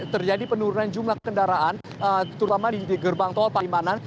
terjadi penurunan jumlah kendaraan terutama di gerbang tol palimanan